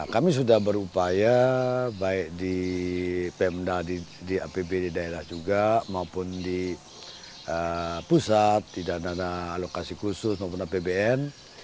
kami sudah berupaya baik di pemda di apbd daerah juga maupun di pusat tidak ada alokasi khusus maupun apbn